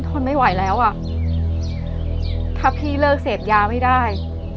ทนไม่ไหวแล้วอ่ะถ้าพี่เลิกเสพยาไม่ได้